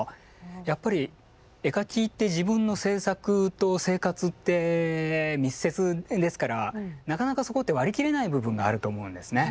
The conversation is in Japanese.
やっぱり絵描きって自分の制作と生活って密接ですからなかなかそこって割り切れない部分があると思うんですね。